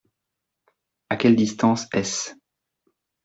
À quelle distance est-ce ?